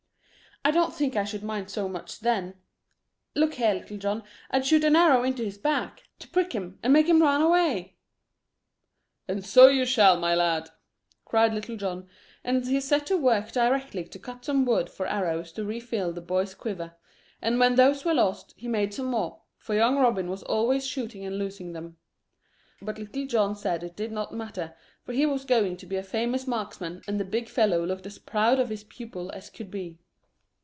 "I don't think I should mind so much then. Look here, Little John, I'd shoot an arrow into his back, to prick him and make him run away." "And so you shall, my lad," cried Little John, and he set to work directly to cut some wood for arrows to refill the boy's quiver; and when those were lost, he made some more, for young Robin was always shooting and losing them; but Little John said it did not matter, for he was going to be a famous marksman, and the big fellow looked as proud of his pupil as could be.